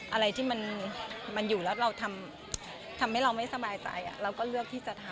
อะไรที่มันอยู่แล้วเราทำให้เราไม่สบายใจเราก็เลือกที่จะทำ